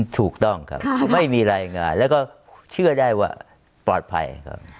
ถูกต้องครับไม่มีรายงานแล้วก็เชื่อได้ว่าปลอดภัยครับ